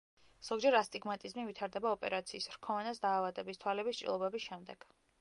ზოგჯერ ასტიგმატიზმი ვითარდება ოპერაციის, რქოვანას დაავადების, თვალების ჭრილობების შემდეგ.